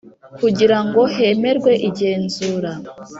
Kugira ngo hemerwe igenzura